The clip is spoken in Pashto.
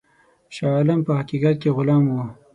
شاه عالم په حقیقت کې غلام وو.